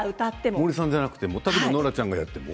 森さんじゃなくてもノラちゃんがやっても？